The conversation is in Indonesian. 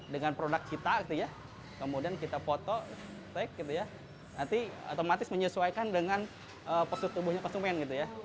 dengan produk kita kemudian kita foto nanti otomatis menyesuaikan dengan posisi tubuhnya posimen